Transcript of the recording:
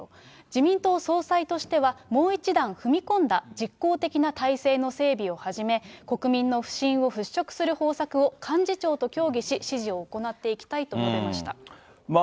自民党総裁としては、もう一段踏み込んだ実効的な体制の整備をはじめ、国民の不信を払拭する方策を幹事長と協議し、指示を行っていきたいと述べました。